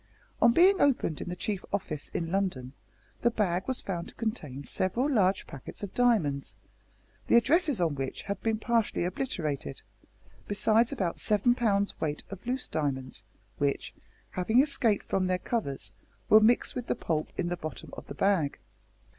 On being opened in the Chief Office in London, the bag was found to contain several large packets of diamonds, the addresses on which had been partially obliterated, besides about seven pounds weight of loose diamonds, which, having escaped from their covers, were mixed with the pulp in the bottom of the bag.